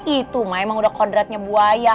itu mah emang udah kodratnya buaya